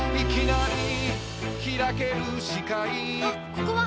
ここは！